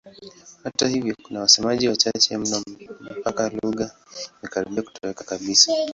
Hata hivyo kuna wasemaji wachache mno mpaka lugha imekaribia kutoweka kabisa.